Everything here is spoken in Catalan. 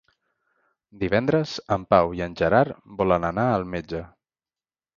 Divendres en Pau i en Gerard volen anar al metge.